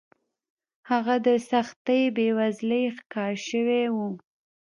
هغه د سختې بېوزلۍ ښکار شوی و